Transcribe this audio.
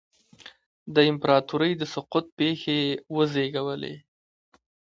د امپراتورۍ د سقوط پېښې یې وزېږولې